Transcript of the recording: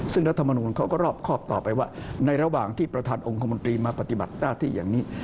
ซึ่งรัฐมนูลเขาก็รอบครอบต่อไปว่าในระหว่างที่ประธานองค์คมนตรีมาปฏิบัติหน้าที่อย่างนี้